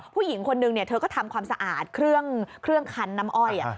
ผู้หญิงคนนึงเธอก็ทำความสะอาดเครื่องคันน้ำอ้อย